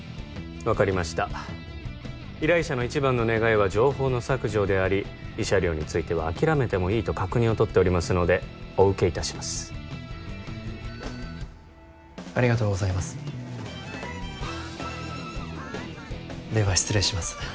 分かりました依頼者の一番の願いは情報の削除であり慰謝料については諦めてもいいと確認を取っておりますのでお受けいたしますありがとうございますでは失礼します